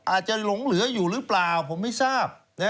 หลงเหลืออยู่หรือเปล่าผมไม่ทราบ